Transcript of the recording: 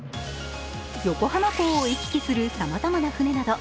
横浜港を行き来するさまざまな船など